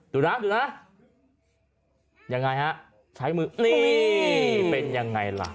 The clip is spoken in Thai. ดูนะดูนะยังไงฮะใช้มือนี่เป็นยังไงล่ะ